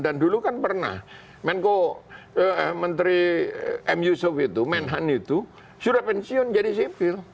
dan dulu kan pernah menko menteri m yusof itu menhan itu sudah pensiun jadi sifil